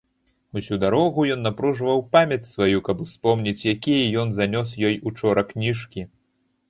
Усю дарогу ён напружваў памяць сваю, каб успомніць, якія ён занёс ёй учора кніжкі.